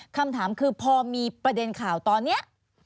คำถามคือพอมีประเด็นข่าวตอนนี้